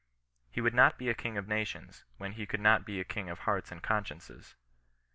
He would not be a king of nations, when he could not be a king of hearts and consciences.